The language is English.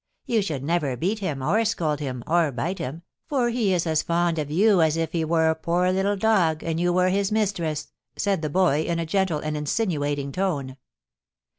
You should never beat him, or scold him, or bite him, for he is as fond of you as if he were a poor little dog, and you were his mistress!" said the boy, in a gentle and insinuating tone.